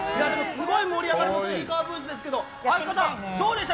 すごい盛り上がりのちいかわブースですけど相方、どうでした？